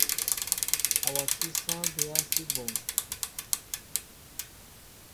Awasí sááŋ bɛa si bwéém.